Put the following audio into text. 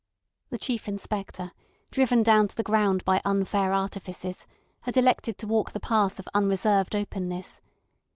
The Chief Inspector, driven down to the ground by unfair artifices, had elected to walk the path of unreserved openness.